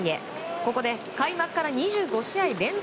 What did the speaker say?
ここで開幕から２５試合連続